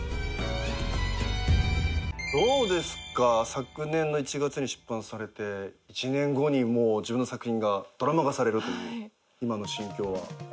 昨年の１月に出版されて１年後にもう自分の作品がドラマ化されるという今の心境は？